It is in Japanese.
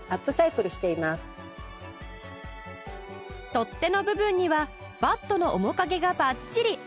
取っ手の部分にはバットの面影がバッチリ！